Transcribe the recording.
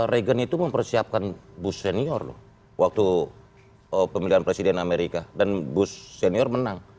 regen itu mempersiapkan bush senior waktu pemilihan presiden amerika dan bush senior menang